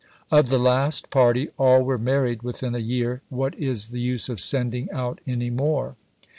"Of the last party, all were married within a year; what is the use of sending out any more?"